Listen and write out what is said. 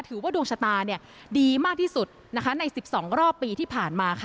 ถือว่าดวงชะตาดีมากที่สุดใน๑๒รอบปีที่ผ่านมาค่ะ